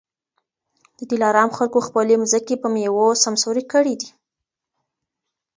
د دلارام خلکو خپلي مځکې په میوو سمسوري کړي دي